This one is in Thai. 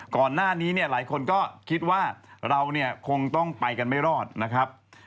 ก่อนหน้านี้เนี่ยหลายคนก็คิดว่าเราเนี่ยคงต้องไปกันไม่รอดนะครับ